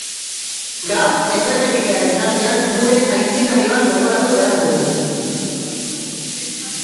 Gaur efemeridearen tartean, gure aitzindari bat gogoratu behar dugu.